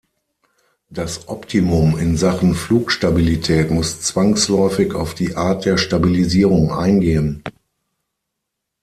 Das Optimum in Sachen Flugstabilität muss zwangsläufig auf die Art der Stabilisierung eingehen.